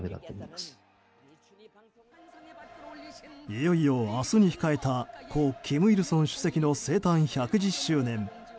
いよいよ、明日に控えた故・金日成主席の生誕１１０周年。